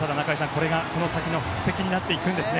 これがこの先の布石になっていくんですね。